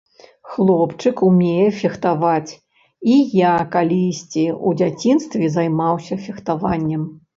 Хлопчык умее фехтаваць, і я калісьці ў дзяцінстве займаўся фехтаваннем.